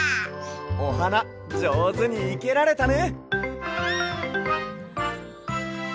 おはなじょうずにいけられたね。